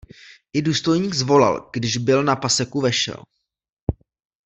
I důstojník zvolal, když byl na paseku vešel.